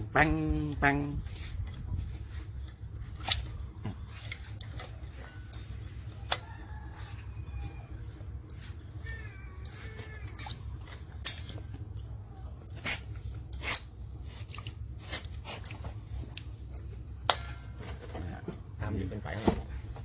น้ำยิ่งเป็นไฟข้างหลัง